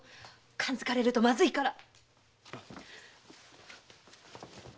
感づかれるとまずいから。